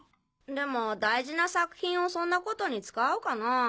でも大事な作品をそんなことに使うかなぁ。